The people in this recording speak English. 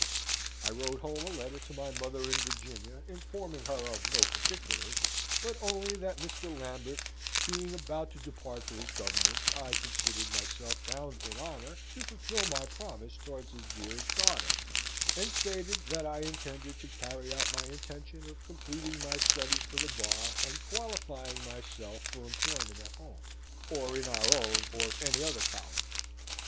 I wrote home a letter to my mother in Virginia, informing her of no particulars, but only that Mr. Lambert being about to depart for his government, I considered myself bound in honour to fulfil my promise towards his dearest daughter; and stated that I intended to carry out my intention of completing my studies for the Bar, and qualifying myself for employment at home, or in our own or any other colony.